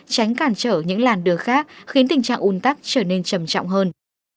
tránh cản trở những làn đường khác khiến tình trạng un tắc trở nên trầm trọng hơn